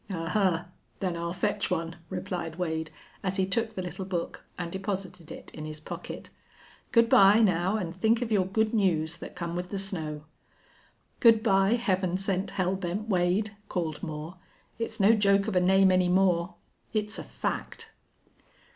"Ahuh! Then I'll fetch one," replied Wade, as he took the little book and deposited it in his pocket. "Good by, now, an' think of your good news that come with the snow." "Good by, Heaven Sent Hell Bent Wade!" called Moore. "It's no joke of a name any more. It's a fact."